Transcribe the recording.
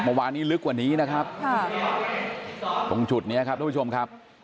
เมื่อวานนี้ลึกกว่านี้นะครับค่ะตรงจุดนี้ครับทุกผู้ชมครับ